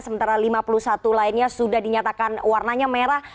sementara lima puluh satu lainnya sudah dinyatakan warnanya merah